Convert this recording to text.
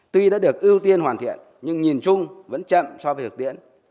tuy đã được ưu tiên hoàn thiện nhưng nhìn chung vẫn chậm so với thực tiễn